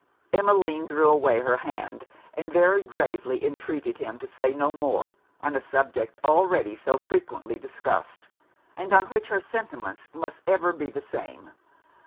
Emmeline drew away her hand; and very gravely entreated him to say no more on a subject already so frequently discussed, and on which her sentiments must ever be the same.